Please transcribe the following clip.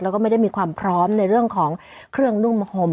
แล้วก็ไม่ได้มีความพร้อมในเรื่องของเครื่องนุ่มห่ม